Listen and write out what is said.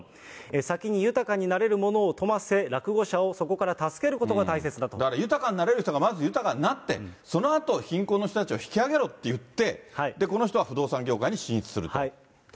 先に豊かになれる者を富ませ、落伍者を底から助けることが大切だだから、豊かになれる人がまず豊かになって、そのあと、貧困の人たちを引き上げろっていって、この人は不動産業界に進出すると。